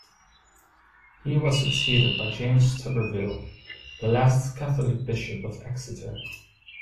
He was succeeded by James Turberville, the last Catholic Bishop of Exeter.